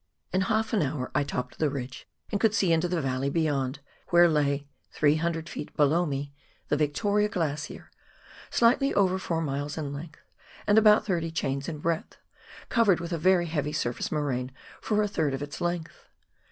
In half an hour I topped the ridge and coidd see into the valley beyond, where lay — 300 ft. below me — the Victoria Glacier, slightly over four miles in length, and about thirty chains in breadth, covered with a very heavy surface moraine for a third of its length.